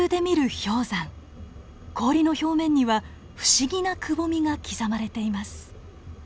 氷の表面には不思議なくぼみが刻まれています。